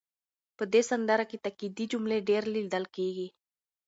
په دې سندره کې تاکېدي جملې ډېرې لیدل کېږي.